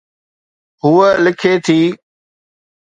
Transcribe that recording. هوءَ لکي ٿي